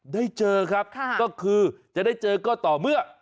ได้เจอครับก็คือจะได้เจอก็ต่อเมื่อ